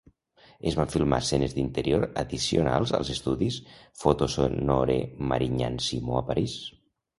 Es van filmar escenes d'interior addicionals als estudis Photosonore-Marignan-Simo a París.